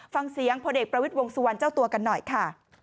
ฟังเสียงพลเอกประวิทย์วงสุวรรณเจ้าตัวกันหน่อยค่ะ